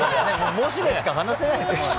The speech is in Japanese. もしでしか話せないですよね。